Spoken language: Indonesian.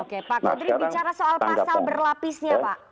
oke pak kodri bicara soal pasal berlapisnya pak